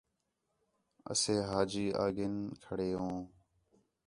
اسے حاجی آ گِھن کھڑے ہوں